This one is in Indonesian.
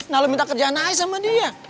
nah lu minta kerjaan aja sama dia